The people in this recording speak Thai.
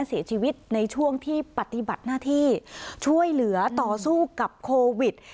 เสียชีวิตในช่วงที่ปฏิบัติหน้าที่ช่วยเหลือต่อสู้กับโควิด